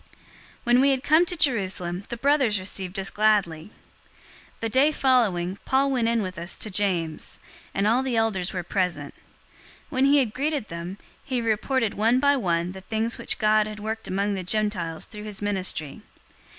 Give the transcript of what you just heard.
021:017 When we had come to Jerusalem, the brothers received us gladly. 021:018 The day following, Paul went in with us to James; and all the elders were present. 021:019 When he had greeted them, he reported one by one the things which God had worked among the Gentiles through his ministry.